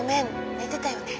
寝てたよね？